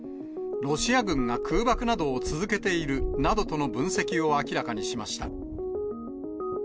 ロシア軍が空爆などを続けているなどとの分析を明らかにしました。